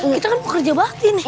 kita kan mau kerja bakti nih